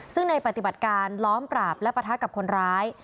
ซึ่งในปฏิบัติการล้อมปราบและปะทะกับคนร้าย